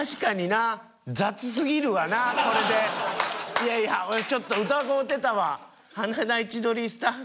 いやいや俺ちょっと疑うてたわ。